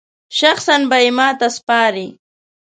شخصاً به یې ماته سپاري.